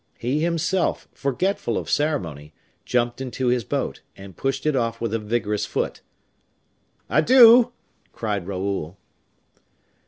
He himself, forgetful of ceremony, jumped into his boat, and pushed it off with a vigorous foot. "Adieu!" cried Raoul.